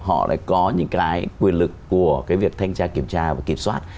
họ lại có những cái quyền lực của cái việc thanh tra kiểm tra và kiểm soát